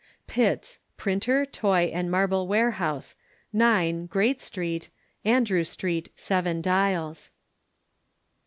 Pitts, Printer, Toy and Marble Warehouse, 9, Great St. Andrew Street, Seven Dials.